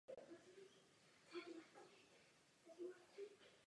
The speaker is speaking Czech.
Je stále ještě ve své dětské fázi.